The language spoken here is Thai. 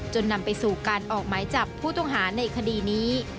นำไปสู่การออกหมายจับผู้ต้องหาในคดีนี้